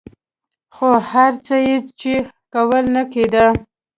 خو هر څه یې چې کول نه کېدل.